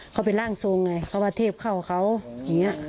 เขาเป็นร่างทรงไงเขามาเทพเข้าเขาอย่างนี้